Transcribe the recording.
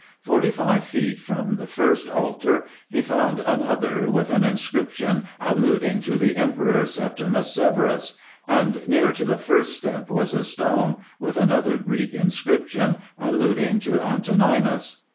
Forty five feet from the first altar, he found another, with an inscription, alluding to the emperor Septimus Severus ; and near to the first step was a stone, with another Greek inscription, alluding to Antoninus.